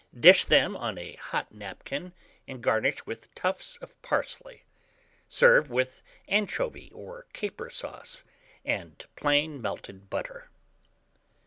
Dish them on a hot napkin, and garnish with tufts of parsley. Serve with anchovy or caper sauce, and plain melted butter.